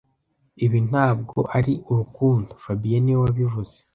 Ibi ntabwo ari urukundo fabien niwe wabivuze